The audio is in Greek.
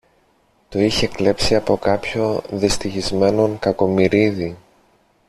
Το είχε κλέψει από κάποιο δυστυχισμένον Κακομοιρίδη